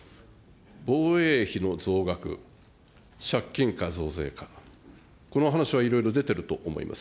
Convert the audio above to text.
防衛費の増額、借金か増税か、この話はいろいろ出てると思います。